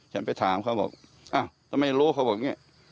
ฉันไปถามเขาบอกอ้าวทำไมรู้เขาบอกอย่างนี้